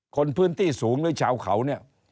คนพื้นที่สูงหรือชาวเขาเนี่ย